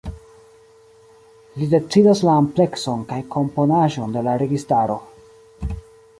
Li decidas la amplekson kaj komponaĵon de la registaro.